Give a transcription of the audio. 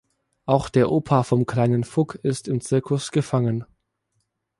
Auch der Opa vom kleinen Vuk ist im Zirkus gefangen.